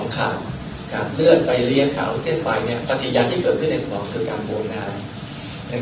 การเลือดไฟเลี้ยงขาวเส้นไฟเนี่ยปฏิญญาณที่เกิดขึ้นในสมองคือการบวงน้ำ